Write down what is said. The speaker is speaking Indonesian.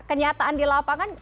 kenyataan di lapangan